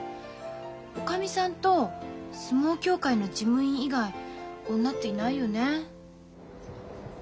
おかみさんと相撲協会の事務員以外女っていないよね。